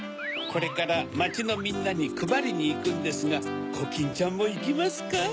これからまちのみんなにくばりにいくんですがコキンちゃんもいきますか？